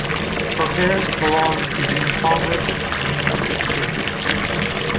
Her parents belonged to the impoverished landed gentry.